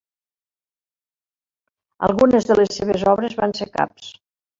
Algunes de les seves obres van ser caps.